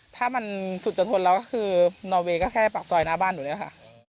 ถ้ามันสุดจำทนเราก็คือนอเวก็แค่็ปากซอยหน้าบ้านอยู่แล้วค่ะ